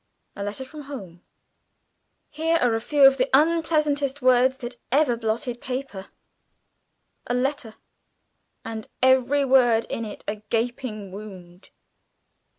A Letter from Home "Here are a few of the unpleasantest words That ever blotted paper.... A letter, And every word in it a gaping wound."